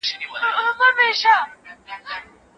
کېدای شي ټولنیزې ناستې مرسته وکړي.